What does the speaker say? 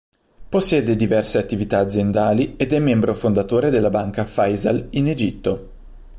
Possiede diverse attività aziendali ed è membro fondatore della Banca Faysal in Egitto.